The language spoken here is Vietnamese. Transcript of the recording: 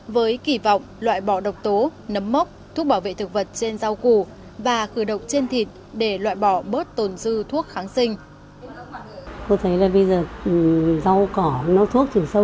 với kỳ vọng loại bỏ độc tố nấm mốc thuốc bảo vệ thực vật trên rau củ và khử độc trên thịt để loại bỏ bớt tồn dư thuốc kháng sinh